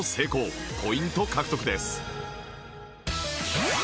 ポイント獲得です